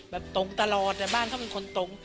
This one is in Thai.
ตรงตลอดแต่บ้านเขาเป็นคนตรง